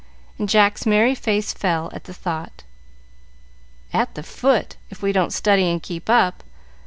and Jack's merry face fell at the thought. "At the foot, if we don't study and keep up.